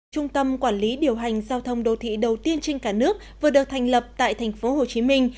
trung tâm quản lý điều hành giao thông đô thị đầu tiên trên cả nước vừa được thành lập tại thành phố hồ chí minh